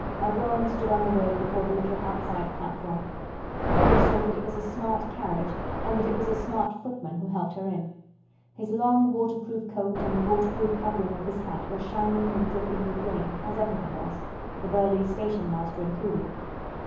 A brougham stood on the road before the little outside platform. Mary saw that it was a smart carriage and that it was a smart footman who helped her in. His long waterproof coat and the waterproof covering of his hat were shining and dripping with rain as everything was, the burly station master included.